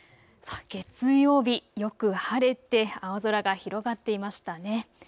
月曜日、よく晴れて青空が広がっていましたね。